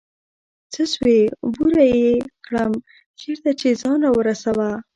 څه سوې بوره يې كړم چېرته يې ځان راورسوه.